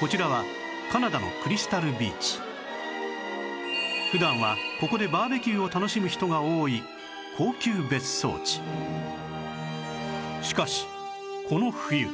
こちらは普段はここでバーベキューを楽しむ人が多いしかしこの冬